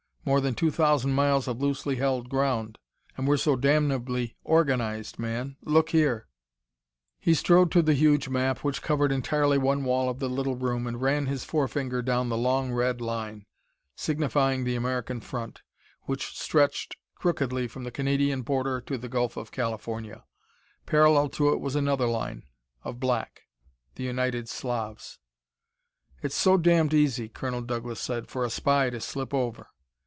More than two thousand miles of loosely held ground. And we're so damnably organized, man! Look here!" He strode to the huge map which covered entirely one wall of the little room and ran his forefinger down the long red line, signifying the American front, which stretched crookedly from the Canadian border to the Gulf of California. Parallel to it was another line, of black the United Slavs. "It's so damned easy," Colonel Douglas said, "for a spy to slip over."